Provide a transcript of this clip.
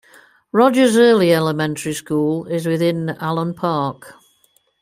Rogers Early Elementary School is within Allen Park.